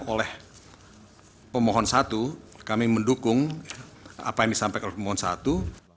oleh pemohon satu kami mendukung apa yang disampaikan oleh pemohon satu